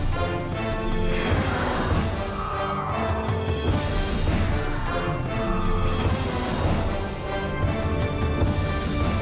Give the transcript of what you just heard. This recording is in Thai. โปรดติดตามตอนต่อไป